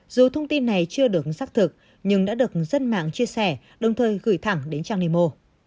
dù thông tin này chưa được xác thực nhưng đã được dân mạng chia sẻ đồng thời gửi thẳng đến trang nemo